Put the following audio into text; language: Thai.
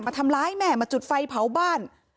ทำร้ายแม่มาจุดไฟเผาบ้าน